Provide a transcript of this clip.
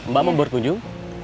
mbak mau berkunjung